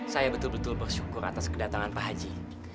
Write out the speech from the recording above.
saya betul betul bersyukur atas kedatangan pak haji